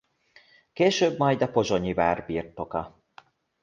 Később majd a pozsonyi vár birtoka.